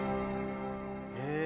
へえ。